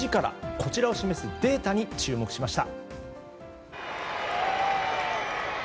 こちらを示すデータに注目しました。